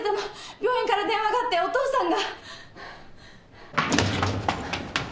病院から電話があってお父さんが！